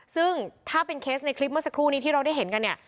ซึ่งถ้าเป็นเคสในคลิปเมื่อสักครู่นี้ที่เราได้เห็นกันเนี่ย